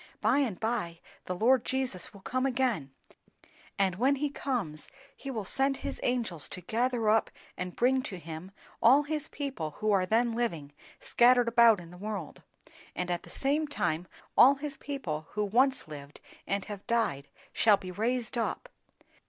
By and by the Lord Jesus will come again; and when he comes he will send his angels to gather up and bring to him all his people who are then living, scattered about in the world, and at the same time all his people who once lived and have died shall be raised up.